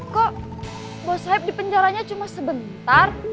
kok bos saeb di penjaranya cuma sebentar